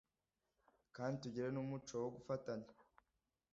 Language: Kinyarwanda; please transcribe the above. kandi tugire n’umuco wo gufatanya